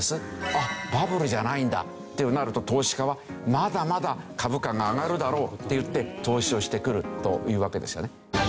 あっバブルじゃないんだってなると投資家はまだまだ株価が上がるだろうっていって投資をしてくるというわけですよね。